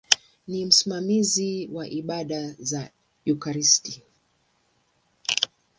Ni msimamizi wa ibada za ekaristi.